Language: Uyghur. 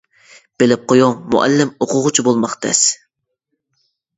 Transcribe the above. بىلىپ قۇيۇڭ مۇئەللىم, ئوقۇغۇچى بولماق تەس.